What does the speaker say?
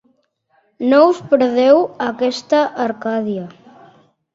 No us perdeu aquesta Arcàdia.